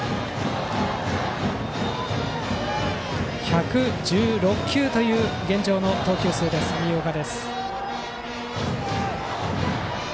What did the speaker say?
１１６球という現状の投球数新岡。